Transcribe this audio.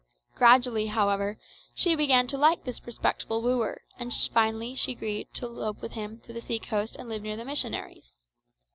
Gradually, however, she began to like this respectful wooer, and finally she agreed to elope with him to the sea coast and live near the missionaries.